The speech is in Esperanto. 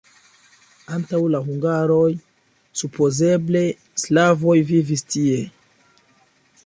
Antaŭ la hungaroj supozeble slavoj vivis tie.